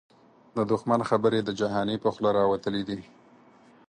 د دښمن خبري د جهانی په خوله راوتلی دې